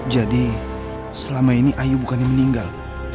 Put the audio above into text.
jadi selama ini ayu bukannya meninggal